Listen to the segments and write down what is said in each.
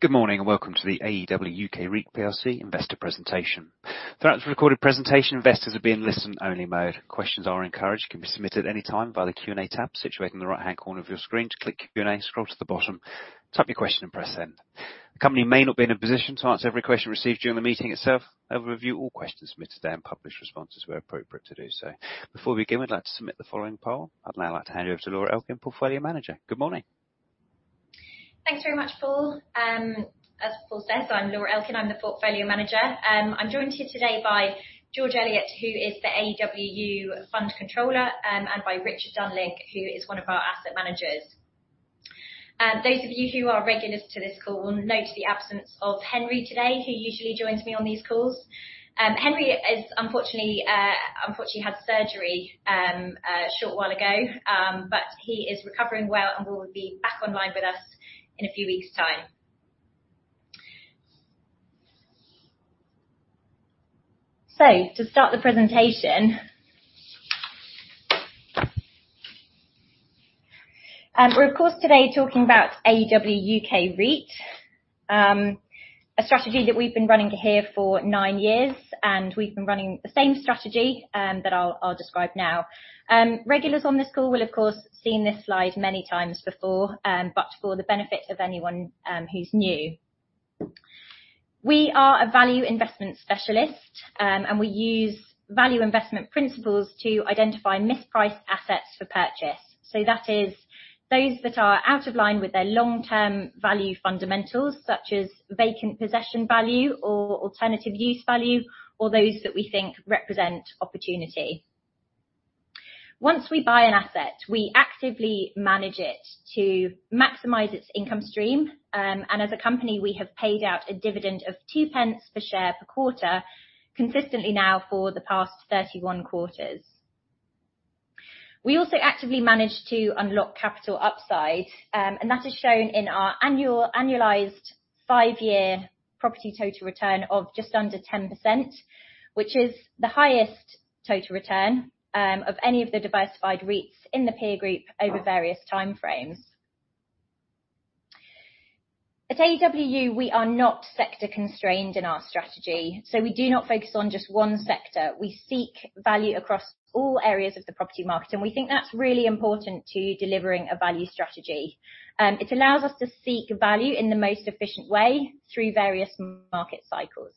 Good morning. Welcome to the AEW UK REIT plc investor presentation. Throughout this recorded presentation, investors will be in listen-only mode. Questions are encouraged, can be submitted at any time by the Q&A tab situated in the right-hand corner of your screen. Just click Q&A, scroll to the bottom, type your question, and press Send. The company may not be in a position to answer every question received during the meeting itself. However, we review all questions submitted today and publish responses where appropriate to do so. Before we begin, we'd like to submit the following poll. I'd now like to hand you over to Laura Elkin, Portfolio Manager. Good morning. Thanks very much, Paul. As Paul said, I'm Laura Elkin. I'm the portfolio manager. I'm joined here today by George Elliot, who is the AEW UK Fund Controller, and by Richard Dunling, who is one of our asset managers. Those of you who are regulars to this call will note the absence of Henry today, who usually joins me on these calls. Henry is unfortunately had surgery a short while ago. He is recovering well and will be back online with us in a few weeks' time. To start the presentation, we're, of course, today talking about AEW UK REIT, a strategy that we've been running here for 9 years, and we've been running the same strategy that I'll describe now. Regulars on this call will, of course, have seen this slide many times before, for the benefit of anyone who's new. We are a value investment specialist, we use value investment principles to identify mispriced assets for purchase. That is those that are out of line with their long-term value fundamentals, such as vacant possession value or alternative use value, or those that we think represent opportunity. Once we buy an asset, we actively manage it to maximize its income stream. As a company, we have paid out a dividend of 2 pence per share per quarter, consistently now for the past 31 quarters. We also actively manage to unlock capital upside, and that is shown in our annualized 5 year property total return of just under 10%, which is the highest total return of any of the diversified REITs in the peer group over various time frames. At AEW UK, we are not sector-constrained in our strategy. We do not focus on just one sector. We seek value across all areas of the property market, and we think that's really important to delivering a value strategy. It allows us to seek value in the most efficient way through various market cycles.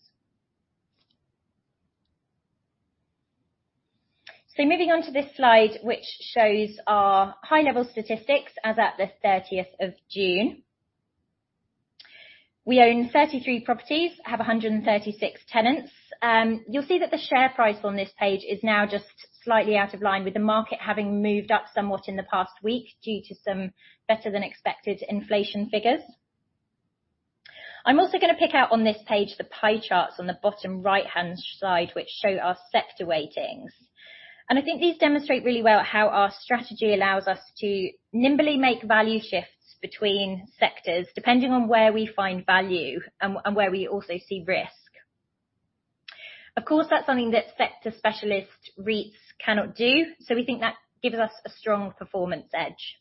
Moving on to this slide, which shows our high-level statistics as at the 30th of June. We own 33 properties, have 136 tenants. You'll see that the share price on this page is now just slightly out of line with the market, having moved up somewhat in the past week due to some better-than-expected inflation figures. I'm also gonna pick out on this page the pie charts on the bottom right-hand side, which show our sector weightings. I think these demonstrate really well how our strategy allows us to nimbly make value shifts between sectors, depending on where we find value and where we also see risk. Of course, that's something that sector specialist REITs cannot do, we think that gives us a strong performance edge.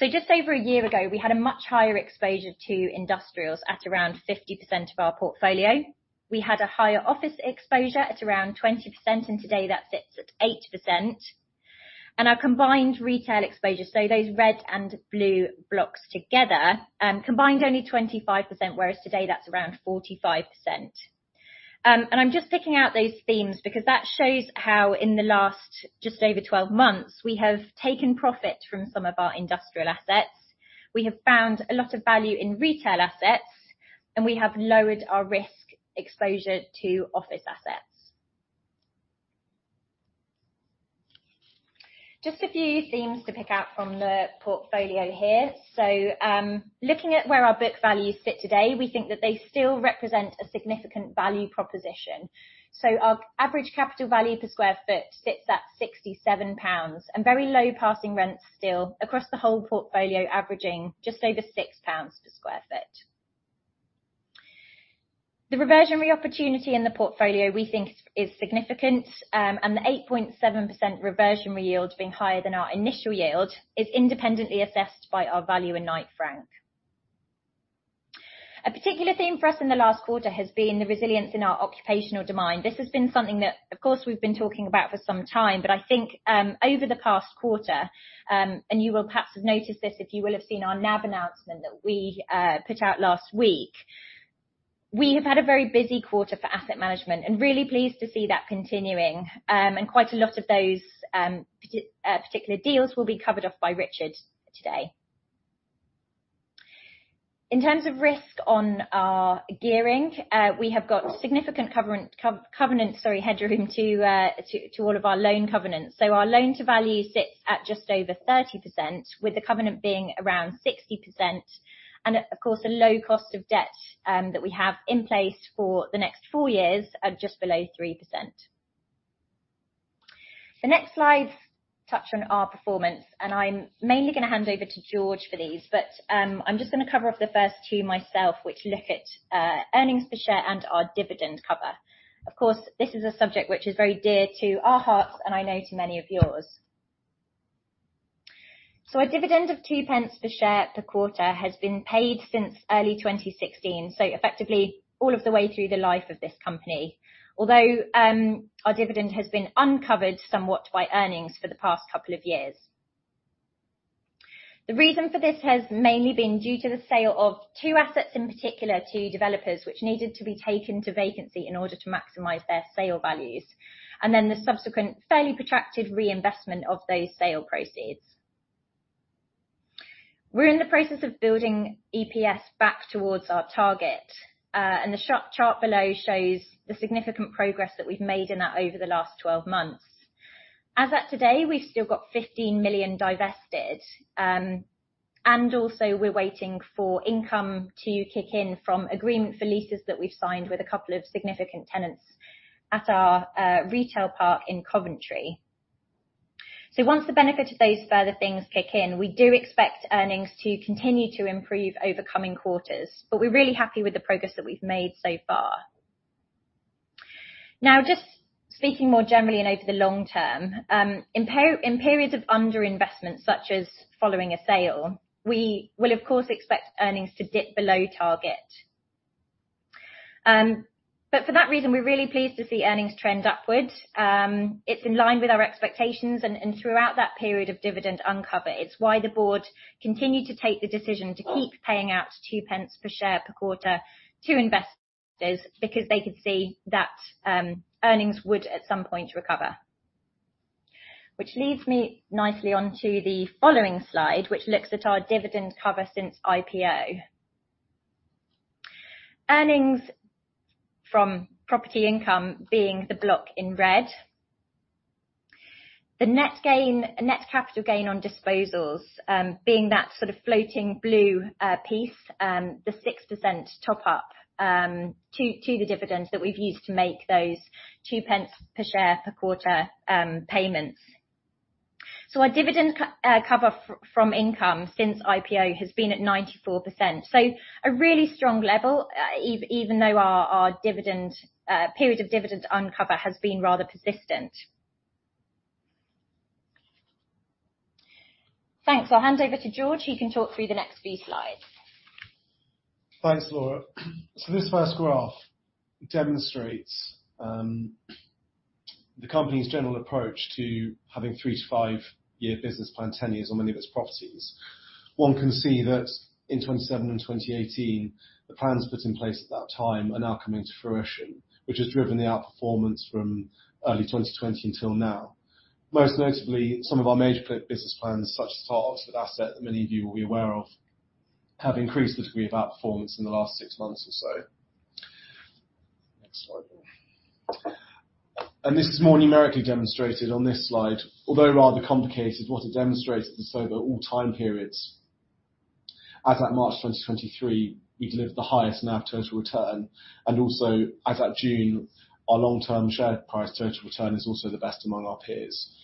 Just over a year ago, we had a much higher exposure to industrials at around 50% of our portfolio. We had a higher office exposure at around 20%, and today that sits at 8%. Our combined retail exposure, so those red and blue blocks together, combined only 25%, whereas today that's around 45%. I'm just picking out those themes because that shows how in the last, just over 12 months, we have taken profit from some of our industrial assets. We have found a lot of value in retail assets, and we have lowered our risk exposure to office assets. Just a few themes to pick out from the portfolio here. Looking at where our book values sit today, we think that they still represent a significant value proposition. Our average capital value per sq ft sits at 67 pounds, and very low passing rents still across the whole portfolio, averaging just over 6 pounds per sq ft. The reversionary opportunity in the portfolio we think is significant, and the 8.7% reversionary yield being higher than our initial yield is independently assessed by our valuer in Knight Frank. A particular theme for us in the last quarter has been the resilience in our occupational demand. This has been something that, of course, we've been talking about for some time, but I think over the past quarter, and you will perhaps have noticed this if you will have seen our NAV announcement that we put out last week. We have had a very busy quarter for asset management and really pleased to see that continuing. Quite a lot of those particular deals will be covered off by Richard today. In terms of risk on our gearing, we have got significant covenant, sorry, headroom to all of our loan covenants. Our loan-to-value sits at just over 30%, with the covenant being around 60% and of course, a low cost of debt that we have in place for the next 4 years at just below 3%. The next slides touch on our performance, and I'm mainly gonna hand over to George for these, but I'm just gonna cover up the first two myself, which look at earnings per share and our dividend cover. Of course, this is a subject which is very dear to our hearts, and I know to many of yours. A dividend of 0.02 per share per quarter has been paid since early 2016. Effectively, all of the way through the life of this company. Although, our dividend has been uncovered somewhat by earnings for the past couple of years. The reason for this has mainly been due to the sale of two assets, in particular, to developers, which needed to be taken to vacancy in order to maximize their sale values, and then the subsequent fairly protracted reinvestment of those sale proceeds. We're in the process of building EPS back towards our target, and the chart below shows the significant progress that we've made in that over the last 12 months. As at today, we've still got 15 million divested, and also we're waiting for income to kick in from agreement for leases that we've signed with a couple of significant tenants at our retail park in Coventry. Once the benefit of those further things kick in, we do expect earnings to continue to improve over coming quarters, but we're really happy with the progress that we've made so far. Just speaking more generally and over the long term, in periods of underinvestment, such as following a sale, we will, of course, expect earnings to dip below target. For that reason, we're really pleased to see earnings trend upward. It's in line with our expectations, and throughout that period of dividend uncover, it's why the board continued to take the decision to keep paying out 0.02 per share per quarter to investors, because they could see that earnings would, at some point, recover. Which leads me nicely onto the following slide, which looks at our dividend cover since IPO. Earnings from property income being the block in red. The net capital gain on disposals, being that sort of floating blue piece, the 6% top up to the dividends that we've used to make those 2 pence per share per quarter payments. Our dividend cover from income since IPO has been at 94%. A really strong level, even though our dividend period of dividend uncover has been rather persistent. Thanks. I'll hand over to George, he can talk through the next few slides. Thanks, Laura. This first graph demonstrates the company's general approach to having 3-5 year business plan tenures on many of its properties. One can see that in 2027 and 2018, the plans put in place at that time are now coming to fruition, which has driven the outperformance from early 2020 until now. Most notably, some of our major business plans, such as our Oxford asset, many of you will be aware of, have increased the degree of outperformance in the last six months or so. Next slide, please. This is more numerically demonstrated on this slide. Although rather complicated, what it demonstrates is over all time periods, as at March 2023, we delivered the highest NAV total return, and also as at June, our long-term share price total return is also the best among our peers.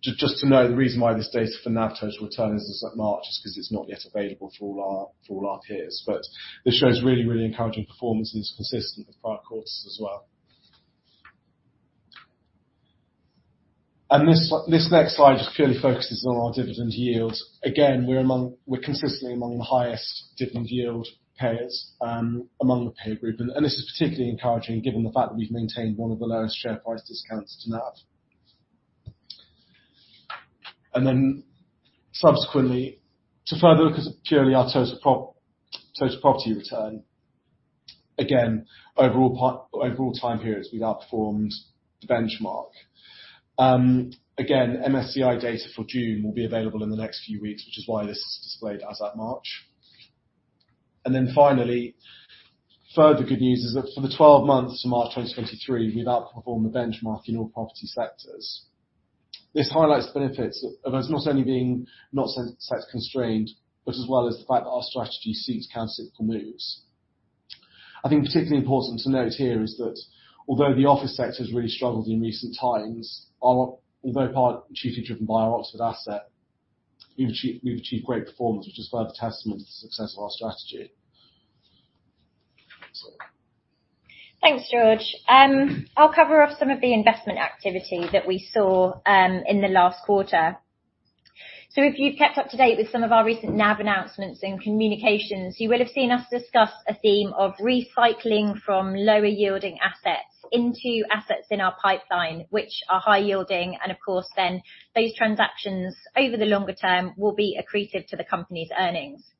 Just to note, the reason why this data for NAV total return is as at March, is because it's not yet available for all our peers. This shows really, really encouraging performance and is consistent with prior quarters as well. This next slide just purely focuses on our dividend yield. Again, we're consistently among the highest dividend yield payers among the peer group. This is particularly encouraging given the fact that we've maintained 1 of the lowest share price discounts to NAV. Subsequently, to further look as at purely our total property return, again, overall time periods, we've outperformed the benchmark. Again, MSCI data for June will be available in the next few weeks, which is why this is displayed as at March. Finally, further good news is that for the 12 months to March 2023, we've outperformed the benchmark in all property sectors. This highlights the benefits of us not only being not sector constrained, but as well as the fact that our strategy seeks countercyclical moves. I think particularly important to note here is that although the office sector has really struggled in recent times, although part chiefly driven by our Oxford asset, we've achieved great performance, which is further testament to the success of our strategy. Thanks, George. I'll cover off some of the investment activity that we saw in the last quarter. If you've kept up to date with some of our recent NAV announcements and communications, you will have seen us discuss a theme of recycling from lower-yielding assets into assets in our pipeline, which are high-yielding, and of course, those transactions over the longer term will be accretive to the company's earnings.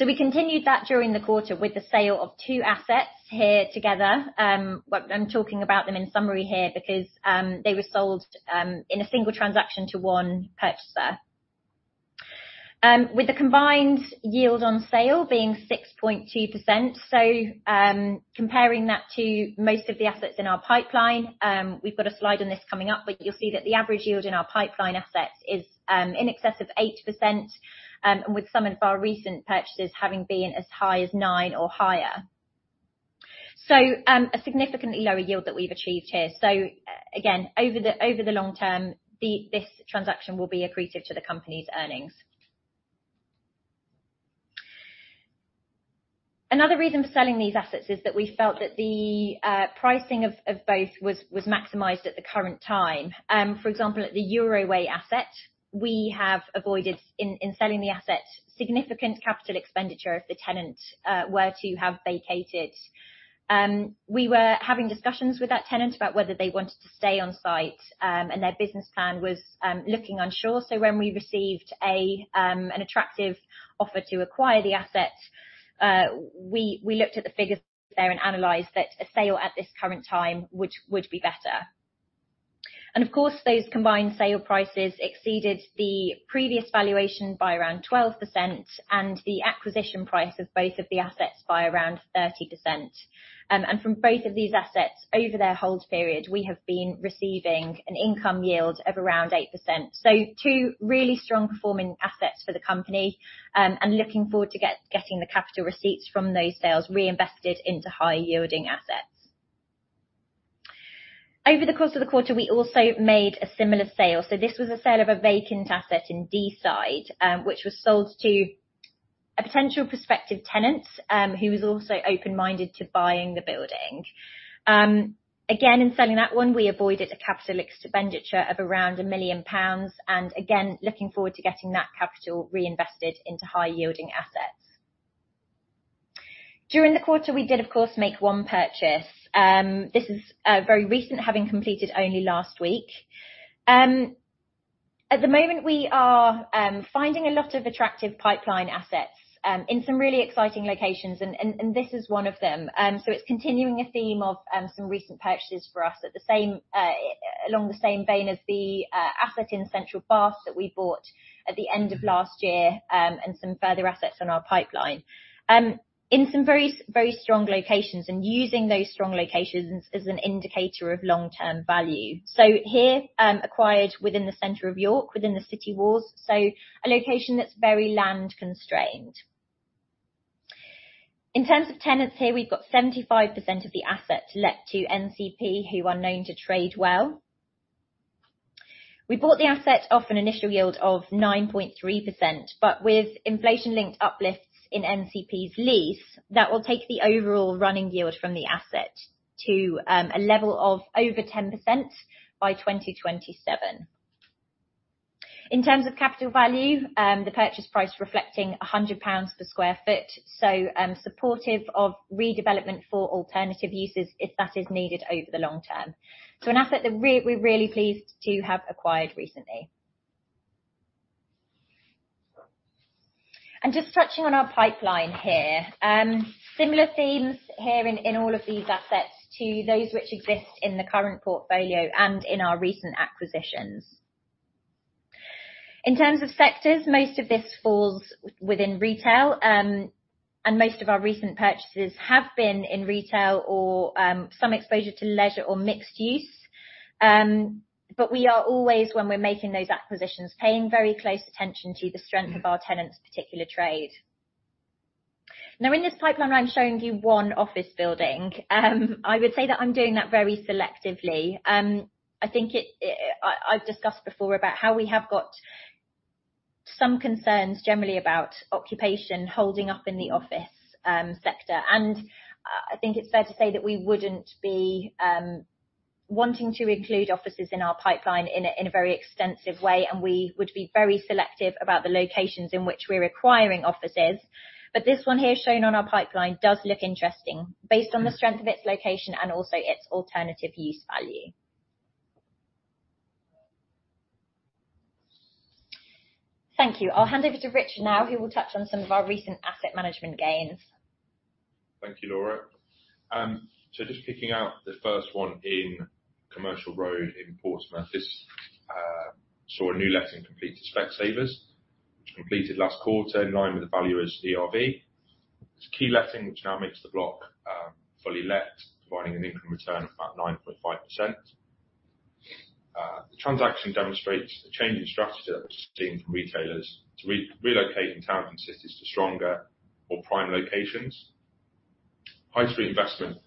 We continued that during the quarter with the sale of 2 assets here together. I'm talking about them in summary here because they were sold in a single transaction to 1 purchaser. With the combined yield on sale being 6.2%, comparing that to most of the assets in our pipeline, we've got a slide on this coming up, you'll see that the average yield in our pipeline assets is in excess of 8%, with some of our recent purchases having been as high as 9% or higher. A significantly lower yield that we've achieved here. Again, over the long term, this transaction will be accretive to the company's earnings. Another reason for selling these assets is that we felt that the pricing of both was maximized at the current time. At the Euroway asset, we have avoided in selling the asset, significant capital expenditure if the tenant were to have vacated. We were having discussions with that tenant about whether they wanted to stay on site, their business plan was looking unsure. When we received an attractive offer to acquire the asset, we looked at the figures there and analyzed that a sale at this current time would be better. Of course, those combined sale prices exceeded the previous valuation by around 12% and the acquisition price of both of the assets by around 30%. From both of these assets, over their hold period, we have been receiving an income yield of around 8%. Two really strong performing assets for the company, looking forward to getting the capital receipts from those sales reinvested into higher yielding assets. Over the course of the quarter, we also made a similar sale. This was a sale of a vacant asset in Deeside, which was sold to a potential prospective tenant, who was also open-minded to buying the building. Again, in selling that one, we avoided a CapEx of around 1 million pounds, and again, looking forward to getting that capital reinvested into high-yielding assets. During the quarter, we did, of course, make one purchase. This is very recent, having completed only last week. At the moment, we are finding a lot of attractive pipeline assets, in some really exciting locations, and this is one of them. It's continuing a theme of some recent purchases for us at the same along the same vein as the asset in Central Bath that we bought at the end of last year and some further assets on our pipeline. In some very, very strong locations, using those strong locations as an indicator of long-term value. Here, acquired within the center of York, within the city walls, a location that's very land-constrained. In terms of tenants here, we've got 75% of the asset let to NCP, who are known to trade well. We bought the asset off an initial yield of 9.3%, but with inflation-linked uplifts in NCP's lease, that will take the overall running yield from the asset to a level of over 10% by 2027. In terms of capital value, the purchase price reflecting 100 pounds per sq ft. Supportive of redevelopment for alternative uses if that is needed over the long term. An asset that we're really pleased to have acquired recently. Just touching on our pipeline here, similar themes here in all of these assets to those which exist in the current portfolio and in our recent acquisitions. In terms of sectors, most of this falls within retail, and most of our recent purchases have been in retail or some exposure to leisure or mixed use. We are always, when we're making those acquisitions, paying very close attention to the strength of our tenants' particular trade. Now, in this pipeline, I'm showing you one office building. I would say that I'm doing that very selectively. I think I've discussed before about how we have got some concerns generally about occupation holding up in the office sector. I think it's fair to say that we wouldn't be wanting to include offices in our pipeline in a very extensive way, and we would be very selective about the locations in which we're acquiring offices. This one here, shown on our pipeline, does look interesting, based on the strength of its location and also its alternative use value. Thank you. I'll hand over to Rich now, who will touch on some of our recent asset management gains. Thank you, Laura. Just picking out the first one in Commercial Road in Portsmouth, this saw a new letting complete to Specsavers, which completed last quarter, in line with the valuers' ERV. It's a key letting, which now makes the block fully let, providing an income return of about 9.5%. The transaction demonstrates the changing strategy that we're seeing from retailers to re-relocate in towns and cities to stronger or prime locations. High street investment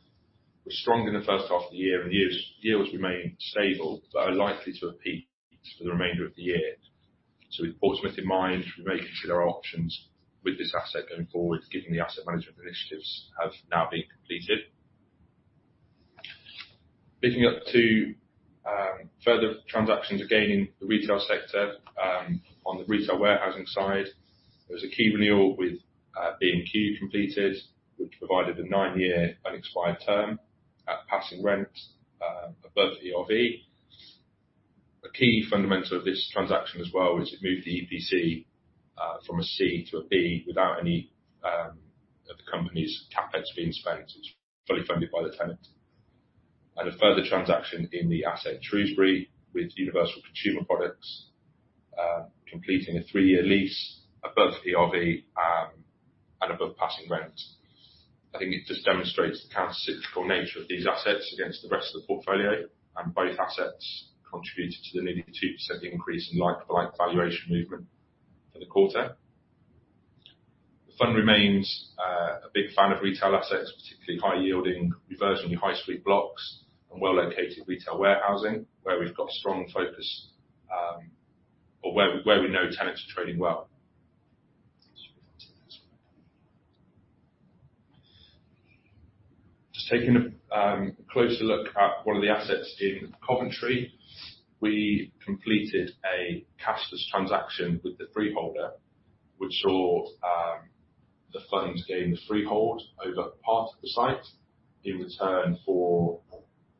was strong in the first half of the year, and yields remain stable, but are likely to peak for the remainder of the year. With Portsmouth in mind, we may consider our options with this asset going forward, given the asset management initiatives have now been completed. Picking up to further transactions, again, in the retail sector, on the retail warehousing side, there was a key renewal with B&Q completed, which provided a 9-year unexpired term at passing rent, above ERV. A key fundamental of this transaction as well, which it moved the EPC from a C to a B without any of the company's CapEx being spent. It's fully funded by the tenant. A further transaction in the asset at Shrewsbury, with Universal Consumer Products, completing a 3-year lease above ERV, and above passing rent. I think it just demonstrates the countercyclical nature of these assets against the rest of the portfolio, and both assets contributed to the nearly 2% increase in like-for-like valuation movement for the quarter. The fund remains a big fan of retail assets, particularly high-yielding, diversified high street blocks and well-located retail warehousing, or where we know tenants are trading well. Just taking a closer look at one of the assets in Coventry. We completed a cashless transaction with the freeholder, which saw the funds gain the freehold over part of the site in return for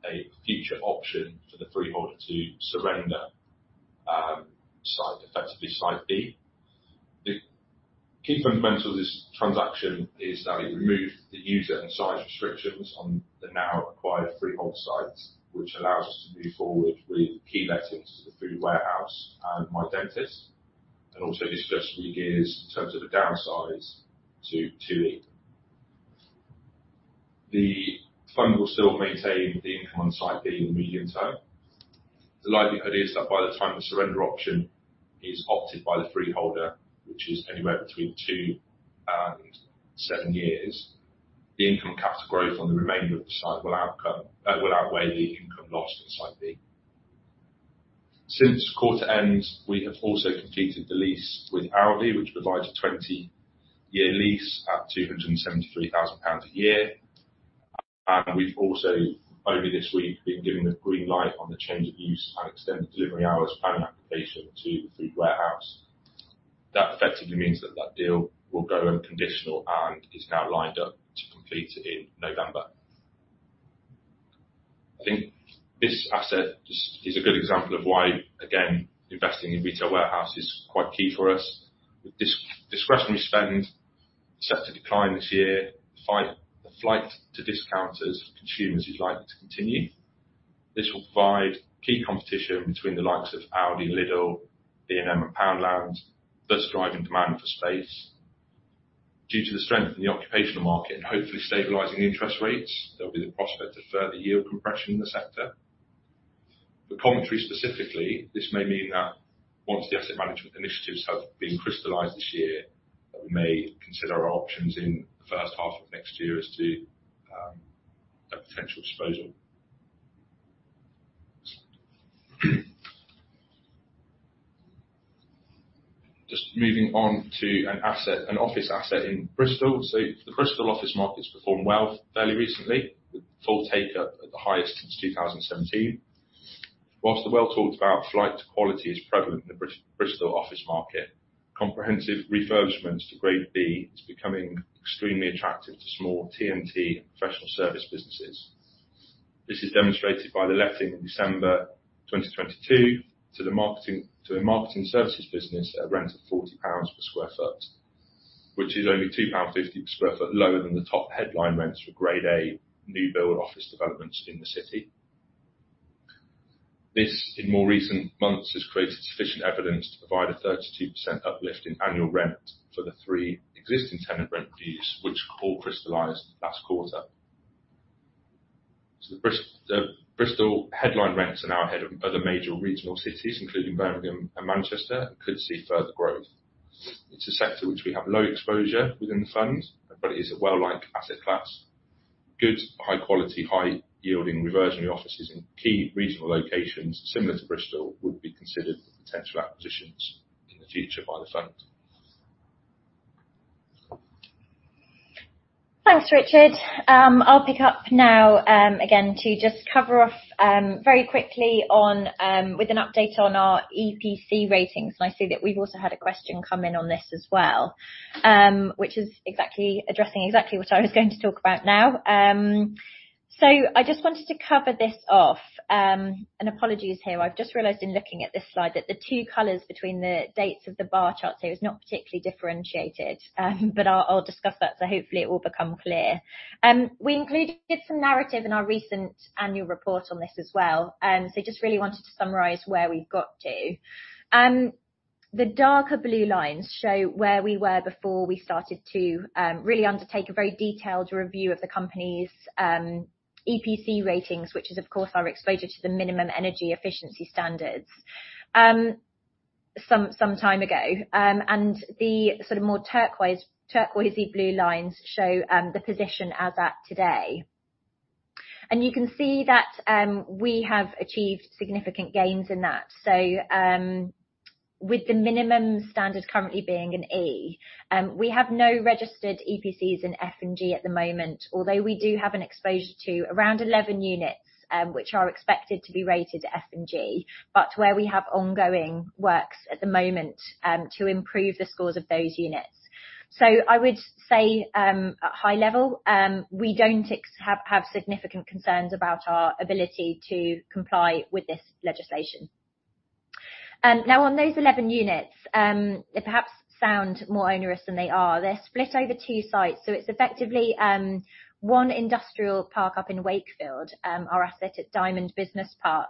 a future option for the freeholder to surrender site, effectively Site B. The key fundamental of this transaction is that it removed the user and size restrictions on the now acquired freehold site, which allows us to move forward with key lettings to The Food Warehouse and mydentist, and also successfully gears in terms of the downsize to 2D. The fund will still maintain the income on Site B in the medium term. The likelihood is that by the time the surrender option is opted by the freeholder, which is anywhere between 2-7 years, the income capital growth on the remainder of the site will outcome, will outweigh the income lost in Site B. Since quarter end, we have also completed the lease with Aldi, which provides a 20 year lease at 273,000 pounds a year. We've also, over this week, been given the green light on the change of use and extended delivery hours planning application to The Food Warehouse. That effectively means that that deal will go unconditional and is now lined up to complete in November. I think this asset just is a good example of why, again, investing in retail warehouse is quite key for us. With discretionary spend set to decline this year, the flight to discounters for consumers is likely to continue. This will provide key competition between the likes of Aldi, Lidl, B&M, and Poundland, thus driving demand for space. Due to the strength in the occupational market and hopefully stabilizing interest rates, there'll be the prospect of further yield compression in the sector. For Coventry, specifically, this may mean that once the asset management initiatives have been crystallized this year, that we may consider our options in the first half of next year as to a potential disposal. Just moving on to an asset, an office asset in Bristol. The Bristol office market's performed well fairly recently, with full taker at the highest since 2017. Whilst the well-talked-about flight to quality is prevalent in the Bristol office market, comprehensive refurbishments to Grade B is becoming extremely attractive to small TMT and professional service businesses. This is demonstrated by the letting in December 2022 to a marketing services business at a rent of 40 pounds per sq ft, which is only 2.50 pound per sq ft lower than the top headline rents for Grade A new build office developments in the city. This, in more recent months, has created sufficient evidence to provide a 32% uplift in annual rent for the three existing tenant rent reviews, which all crystallized last quarter. The Bristol headline rents are now ahead of other major regional cities, including Birmingham and Manchester, could see further growth. It's a sector which we have low exposure within the fund. It is a well-liked asset class. Good, high quality, high yielding reversionary offices in key regional locations similar to Bristol, would be considered potential acquisitions in the future by the fund. Thanks, Richard. I'll pick up now again, to just cover off very quickly on with an update on our EPC ratings. I see that we've also had a question come in on this as well, which is exactly addressing exactly what I was going to talk about now. I just wanted to cover this off. Apologies here. I've just realized in looking at this slide that the two colors between the dates of the bar chart here is not particularly differentiated, but I'll discuss that, so hopefully it will become clear. We included some narrative in our recent annual report on this as well. Just really wanted to summarize where we've got to. The darker blue lines show where we were before we started to really undertake a very detailed review of the company's EPC ratings, which is, of course, our exposure to the Minimum Energy Efficiency Standards some time ago. The sort of more turquoise-y blue lines show the position as at today. You can see that we have achieved significant gains in that. With the minimum standard currently being an E, we have no registered EPCs in F and G at the moment, although we do have an exposure to around 11 units, which are expected to be rated F and G, but where we have ongoing works at the moment to improve the scores of those units. I would say, at high level, we don't have significant concerns about our ability to comply with this legislation. Now, on those 11 units, they perhaps sound more onerous than they are. They're split over 2 sites, it's effectively, 1 industrial park up in Wakefield, our asset at Diamond Business Park,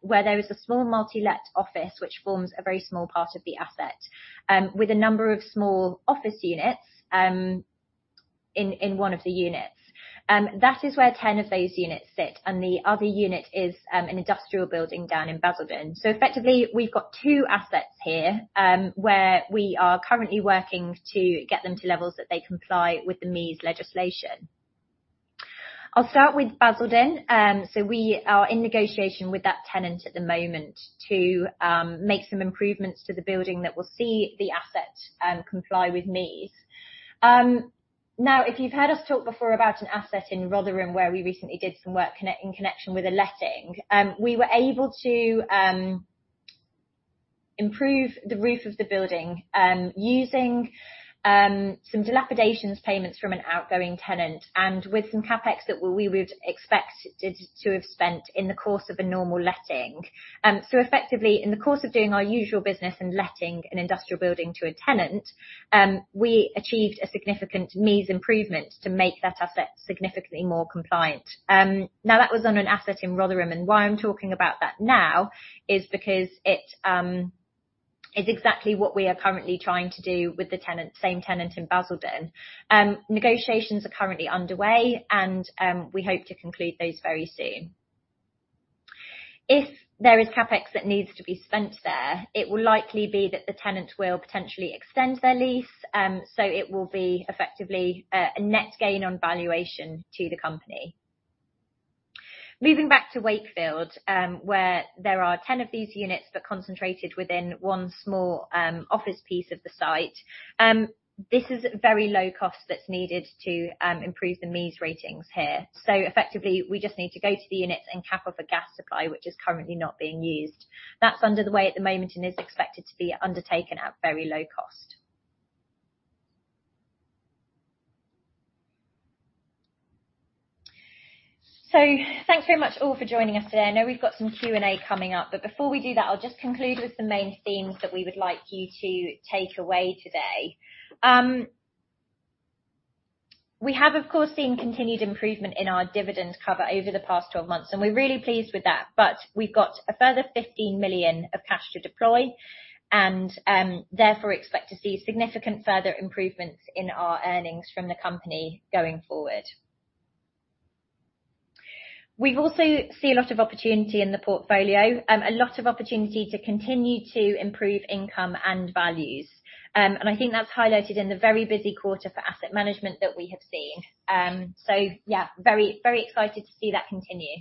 where there is a small multi-let office, which forms a very small part of the asset, with a number of small office units, in one of the units. That is where 10 of those units sit, the other unit is an industrial building down in Basildon. Effectively, we've got 2 assets here, where we are currently working to get them to levels that they comply with the MEES legislation. I'll start with Basildon. We are in negotiation with that tenant at the moment to make some improvements to the building that will see the asset comply with MEES. If you've heard us talk before about an asset in Rotherham, where we recently did some work in connection with a letting, we were able to improve the roof of the building using some dilapidations payments from an outgoing tenant and with some CapEx that we would expect to have spent in the course of a normal letting. Effectively, in the course of doing our usual business and letting an industrial building to a tenant, we achieved a significant MEES improvement to make that asset significantly more compliant. Now, that was on an asset in Rotherham, and why I'm talking about that now is because it is exactly what we are currently trying to do with the tenant, same tenant in Basildon. Negotiations are currently underway, and we hope to conclude those very soon. If there is CapEx that needs to be spent there, it will likely be that the tenant will potentially extend their lease, so it will be effectively a net gain on valuation to the company. Moving back to Wakefield, where there are 10 of these units, but concentrated within one small office piece of the site. This is very low cost that's needed to improve the MEES ratings here. Effectively, we just need to go to the units and cap off a gas supply, which is currently not being used. That's underway at the moment and is expected to be undertaken at very low cost. Thanks very much all for joining us today. I know we've got some Q&A coming up, but before we do that, I'll just conclude with the main themes that we would like you to take away today. We have, of course, seen continued improvement in our dividend cover over the past 12 months, and we're really pleased with that. We've got a further 15 million of cash to deploy and, therefore, expect to see significant further improvements in our earnings from the company going forward. We also see a lot of opportunity in the portfolio, a lot of opportunity to continue to improve income and values. I think that's highlighted in the very busy quarter for asset management that we have seen. Yeah, very, very excited to see that continue.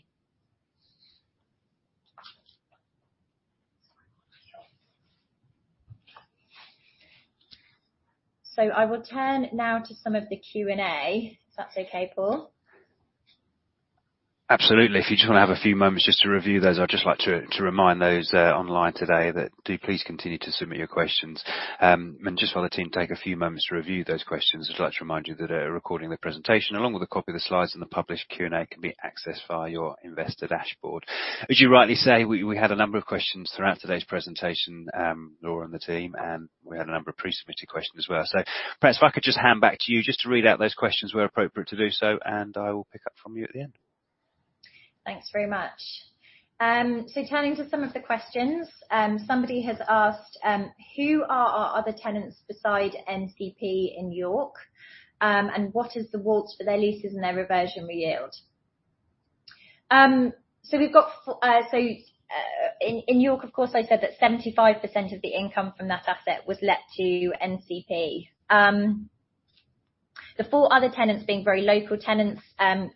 I will turn now to some of the Q&A. If that's okay, Paul? Absolutely. If you just want to have a few moments just to review those, I'd just like to remind those online today that do please continue to submit your questions. Just while the team take a few moments to review those questions, I'd just like to remind you that a recording of the presentation, along with a copy of the slides and the published Q&A, can be accessed via your investor dashboard. As you rightly say, we had a number of questions throughout today's presentation, Laura and the team, and we had a number of pre-submitted questions as well. Perhaps if I could just hand back to you just to read out those questions where appropriate to do so, and I will pick up from you at the end. Thanks very much. Turning to some of the questions, somebody has asked: 'Who are our other tenants beside NCP in York? What is the WALT for their leases and their reversionary yield?' We've got in York, of course, I said that 75% of the income from that asset was let to NCP. The four other tenants being very local tenants,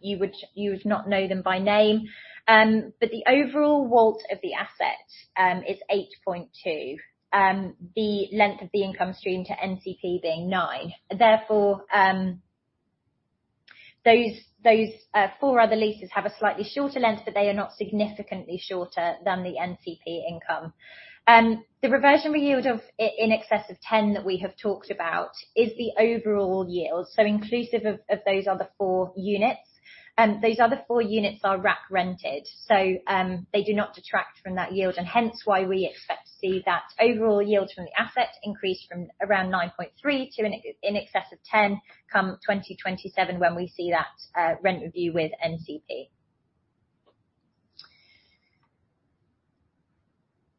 you would not know them by name. The overall WALT of the asset is 8.2. The length of the income stream to NCP being 9. Therefore, those four other leases have a slightly shorter length, but they are not significantly shorter than the NCP income. The reversionary yield of in excess of 10 that we have talked about is the overall yield, so inclusive of those other four units. Those other four units are rack rented, so they do not detract from that yield, and hence why we expect to see that overall yield from the asset increase from around 9.3 to in excess of 10, come 2027, when we see that rent review with NCP.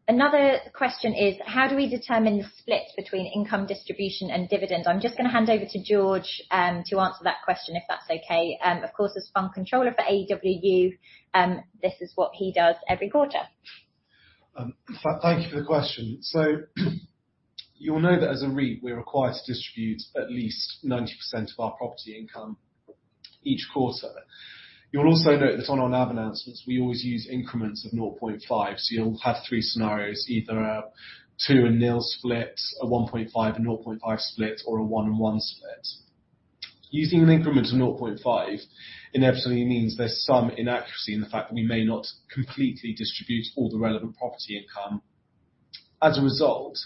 Another question is: How do we determine the split between income distribution and dividends? I'm just going to hand over to George, to answer that question, if that's okay. Of course, as fund controller for AEW UK, this is what he does every quarter. Thank you for the question. You'll know that as a REIT, we're required to distribute at least 90% of our property income each quarter. You'll also note that on our NAV announcements, we always use increments of 0.5. You'll have three scenarios, either a 2 and 0 split, a 1.5 and 0.5 split, or a 1 and 1 split. Using an increment of 0.5 inevitably means there's some inaccuracy in the fact that we may not completely distribute all the relevant property income. As a result,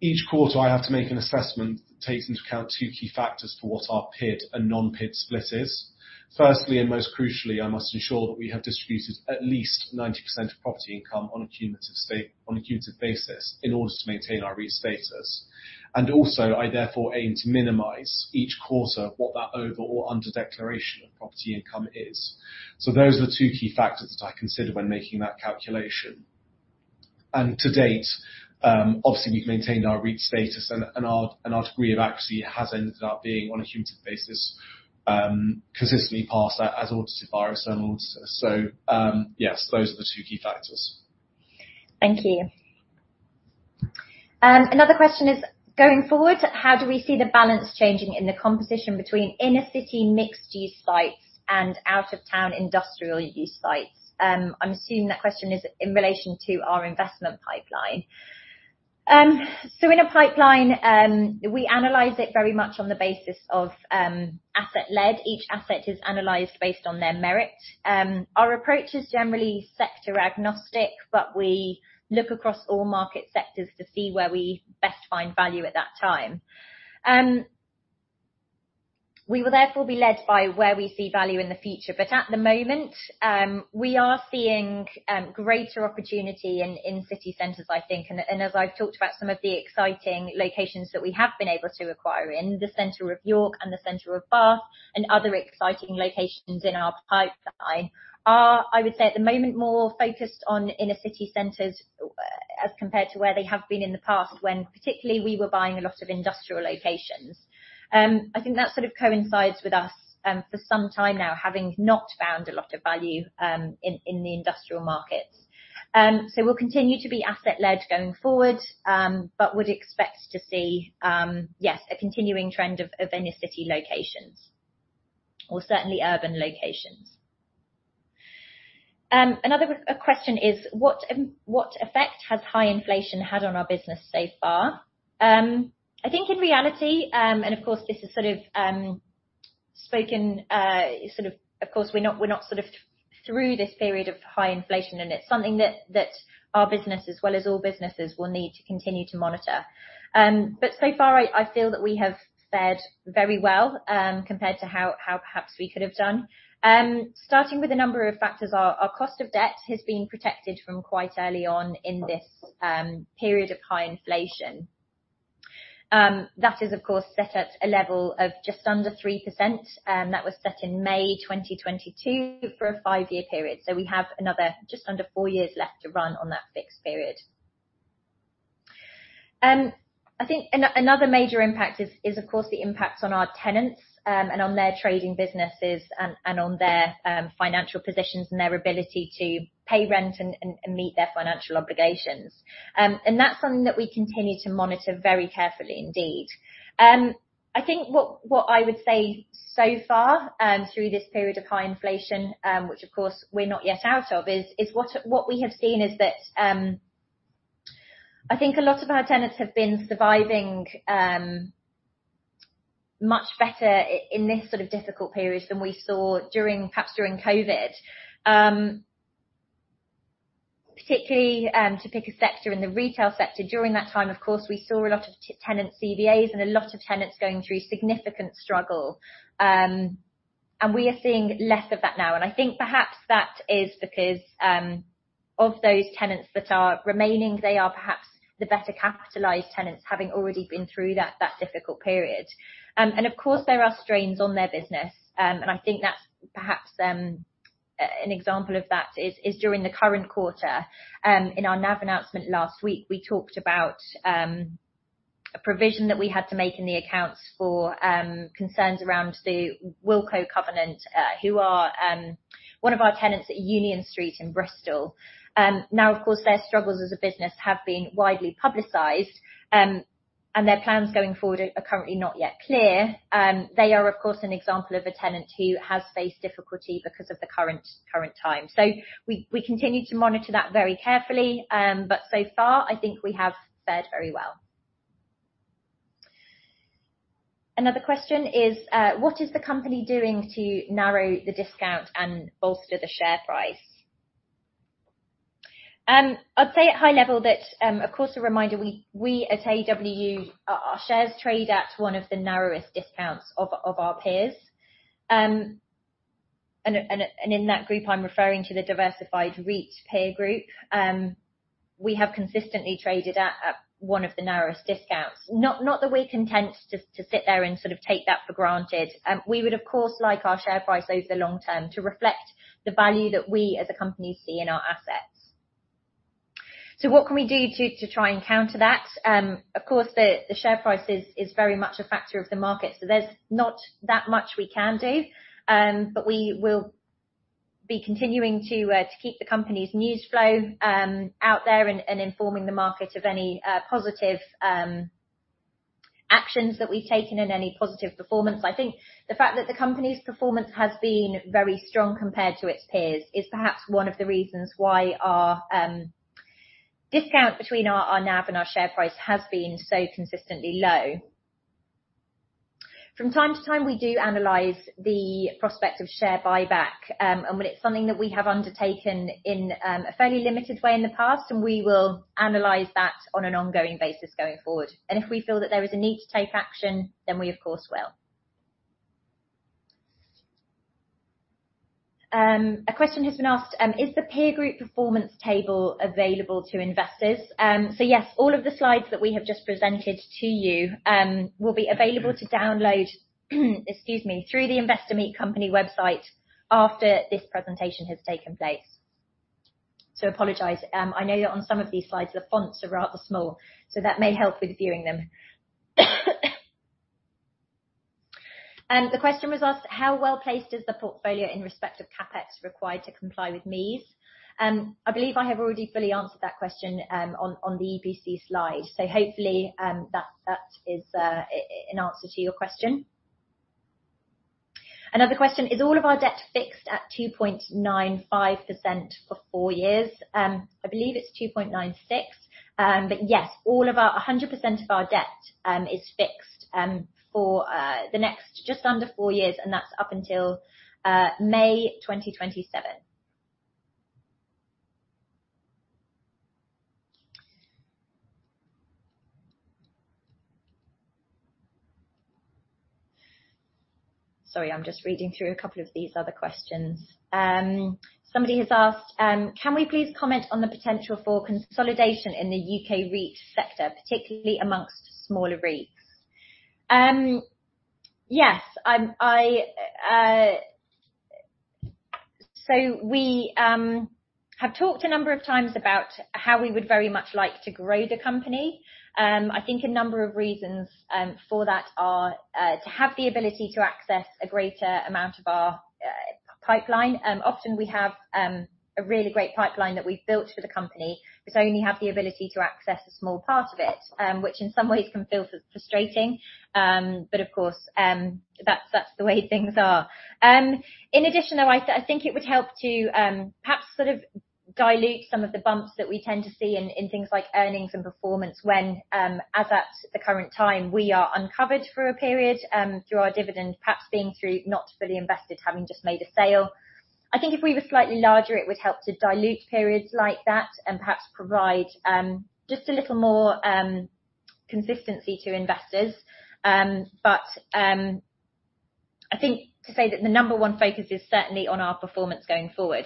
each quarter I have to make an assessment that takes into account two key factors for what our PID and non-PID split is. Firstly, and most crucially, I must ensure that we have distributed at least 90% of property income on a cumulative state, on a cumulative basis, in order to maintain our REIT status. Also, I therefore aim to minimize each quarter what that over or under declaration of property income is. Those are the two key factors that I consider when making that calculation. To date, obviously, we've maintained our REIT status, and our degree of accuracy has ended up being, on a cumulative basis, consistently passed as audited by our external auditor. Yes, those are the two key factors. Thank you. Another question is: going forward, how do we see the balance changing in the composition between inner-city mixed-use sites and out-of-town industrial use sites? I'm assuming that question is in relation to our investment pipeline. In a pipeline, we analyze it very much on the basis of asset-led. Each asset is analyzed based on their merit. Our approach is generally sector agnostic, but we look across all market sectors to see where we best find value at that time. We will therefore be led by where we see value in the future, but at the moment, we are seeing greater opportunity in city centers, I think. As I've talked about, some of the exciting locations that we have been able to acquire in the center of York and the center of Bath and other exciting locations in our pipeline, are, I would say, at the moment, more focused on inner city centers, as compared to where they have been in the past, when particularly we were buying a lot of industrial locations. I think that sort of coincides with us, for some time now, having not found a lot of value, in the industrial markets. So we'll continue to be asset-led going forward, but would expect to see, yes, a continuing trend of inner-city locations or certainly urban locations. Another question is: what effect has high inflation had on our business so far? I think in reality, and of course, this is sort of spoken. Of course, we're not sort of through this period of high inflation, and it's something that our business, as well as all businesses, will need to continue to monitor. So far, I feel that we have fared very well, compared to how perhaps we could have done. Starting with a number of factors, our cost of debt has been protected from quite early on in this period of high inflation. That is, of course, set at a level of just under 3%, that was set in May 2022 for a five-year period. We have another just under four years left to run on that fixed period. I think another major impact is, of course, the impact on our tenants, and on their trading businesses and on their financial positions and their ability to pay rent and meet their financial obligations. That's something that we continue to monitor very carefully indeed. I think what I would say so far, through this period of high inflation, which of course we're not yet out of, is what we have seen is that, I think a lot of our tenants have been surviving, much better in this sort of difficult period than we saw perhaps during COVID. Particularly, to pick a sector, in the retail sector, during that time, of course, we saw a lot of tenant CVAs and a lot of tenants going through significant struggle. We are seeing less of that now, I think perhaps that is because of those tenants that are remaining, they are perhaps the better capitalized tenants, having already been through that difficult period. Of course, there are strains on their business, I think that's perhaps an example of that is during the current quarter. In our NAV announcement last week, we talked about a provision that we had to make in the accounts for concerns around the Wilko Covenant, who are one of our tenants at Union Street in Bristol. Of course, their struggles as a business have been widely publicized, their plans going forward are currently not yet clear. They are, of course, an example of a tenant who has faced difficulty because of the current time. We continue to monitor that very carefully, but so far, I think we have fared very well. Another question is: what is the company doing to narrow the discount and bolster the share price? I'd say at high level that, of course, a reminder, we at AEW UK, our shares trade at one of the narrowest discounts of our peers. And in that group, I'm referring to the diversified REIT peer group. We have consistently traded at one of the narrowest discounts, not that we're content to sit there and sort of take that for granted. We would, of course, like our share price over the long term to reflect the value that we, as a company, see in our assets. What can we do to try and counter that? Of course, the share price is very much a factor of the market, so there's not that much we can do. We will be continuing to keep the company's news flow out there and informing the market of any positive actions that we've taken and any positive performance. I think the fact that the company's performance has been very strong compared to its peers, is perhaps one of the reasons why our discount between our NAV and our share price has been so consistently low. From time to time, we do analyze the prospects of share buyback, and it's something that we have undertaken in a fairly limited way in the past, and we will analyze that on an ongoing basis going forward. If we feel that there is a need to take action, then we of course will. A question has been asked: Is the peer group performance table available to investors? Yes, all of the slides that we have just presented to you will be available to download, excuse me, through the Investor Meet Company website after this presentation has taken place. I apologize, I know that on some of these slides, the fonts are rather small, so that may help with viewing them. The question was asked: How well-placed is the portfolio in respect of CapEx required to comply with MEES? I believe I have already fully answered that question, on the EPC slide. Hopefully, that is an answer to your question. Another question: Is all of our debt fixed at 2.95% for 4 years? I believe it's 2.96%. Yes, all of our 100% of our debt is fixed for the next just under 4 years, and that's up until May 2027. Sorry, I'm just reading through a couple of these other questions. Somebody has asked: Can we please comment on the potential for consolidation in the U.K. REITs sector, particularly amongst smaller REITs? Yes, I... We have talked a number of times about how we would very much like to grow the company. I think a number of reasons for that are to have the ability to access a greater amount of our pipeline. Often we have a really great pipeline that we've built for the company, but only have the ability to access a small part of it, which in some ways can feel frustrating. Of course, that's the way things are. In addition, though, I think it would help to perhaps sort of dilute some of the bumps that we tend to see in things like earnings and performance when, as at the current time, we are uncovered for a period through our dividend, perhaps being through not fully invested, having just made a sale. I think if we were slightly larger, it would help to dilute periods like that and perhaps provide just a little more consistency to investors. I think to say that the number one focus is certainly on our performance going forward.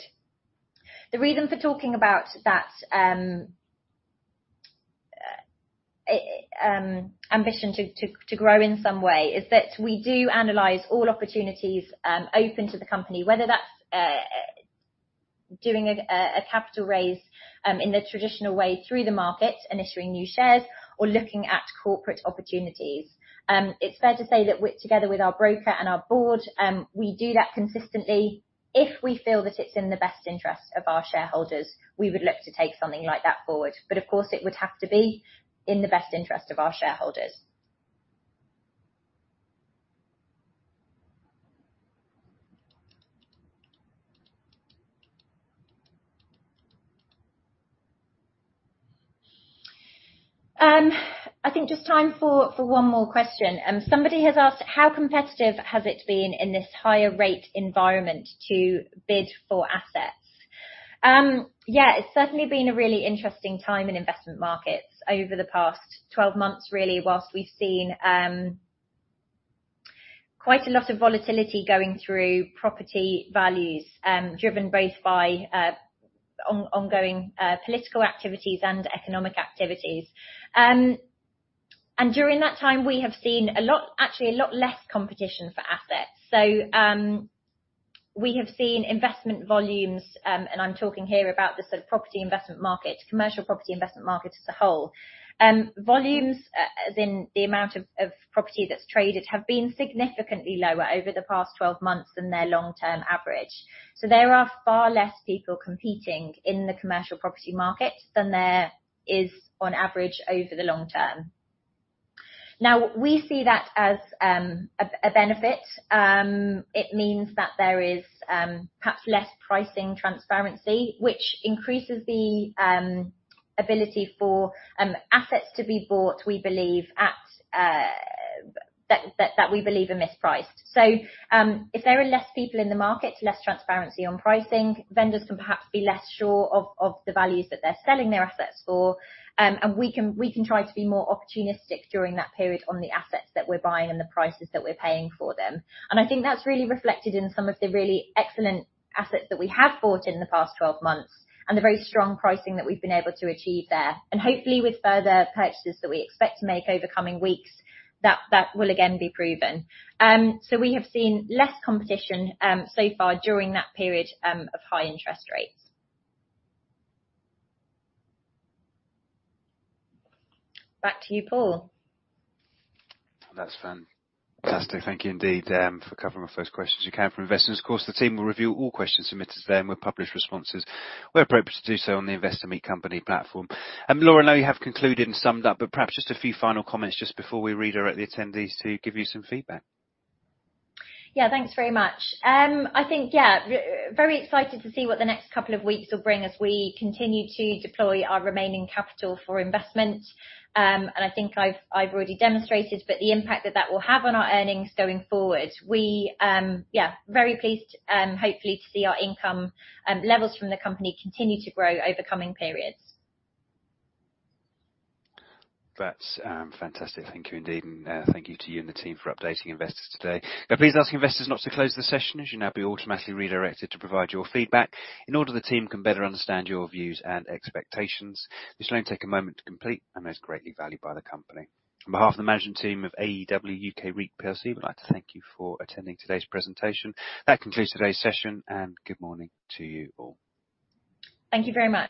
The reason for talking about that ambition to grow in some way is that we do analyze all opportunities open to the company, whether that's doing a capital raise in the traditional way through the market and issuing new shares or looking at corporate opportunities. It's fair to say that we're together with our broker and our board, we do that consistently. If we feel that it's in the best interest of our shareholders, we would look to take something like that forward, but of course, it would have to be in the best interest of our shareholders. I think just time for one more question. Somebody has asked: How competitive has it been in this higher rate environment to bid for assets? Yeah, it's certainly been a really interesting time in investment markets over the past 12 months, really, whilst we've seen quite a lot of volatility going through property values, driven both by ongoing political activities and economic activities. During that time, we have seen actually, a lot less competition for assets. We have seen investment volumes, and I'm talking here about the sort of property investment market, commercial property investment market as a whole. Volumes, as in the amount of property that's traded, have been significantly lower over the past 12 months than their long-term average. There are far less people competing in the commercial property market than there is on average over the long term. Now, we see that as a benefit. It means that there is perhaps less pricing transparency, which increases the ability for assets to be bought, we believe, at that we believe are mispriced. If there are less people in the market, less transparency on pricing, vendors can perhaps be less sure of the values that they're selling their assets for. We can try to be more opportunistic during that period on the assets that we're buying and the prices that we're paying for them. I think that's really reflected in some of the really excellent assets that we have bought in the past 12 months, and the very strong pricing that we've been able to achieve there. Hopefully, with further purchases that we expect to make over coming weeks, that will again be proven. We have seen less competition so far during that period of high interest rates. Back to you, Paul. That's fantastic. Thank you indeed, for covering the first questions you can from investors. Of course, the team will review all questions submitted to them. We'll publish responses, where appropriate to do so, on the Investor Meet Company platform. Laura, I know you have concluded and summed up. Perhaps just a few final comments just before we redirect the attendees to give you some feedback. Yeah, thanks very much. I think, yeah, very excited to see what the next couple of weeks will bring as we continue to deploy our remaining capital for investment. I think I've already demonstrated, but the impact that that will have on our earnings going forward, we, yeah, very pleased, hopefully to see our income levels from the company continue to grow over coming periods. That's fantastic. Thank you, indeed. Thank you to you and the team for updating investors today. Please ask investors not to close the session, as you'll now be automatically redirected to provide your feedback in order the team can better understand your views and expectations. This will only take a moment to complete and is greatly valued by the company. On behalf of the management team of AEW UK REIT PLC, we'd like to thank you for attending today's presentation. That concludes today's session. Good morning to you all. Thank you very much.